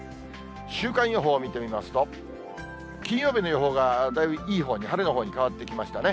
週間予報を見てみますと、金曜日の予報がだいぶいいほうに、晴れのほうに変わってきましたね。